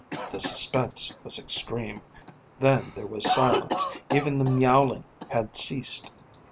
The suspense was extreme. Then there was silence; even the myowling had ceased.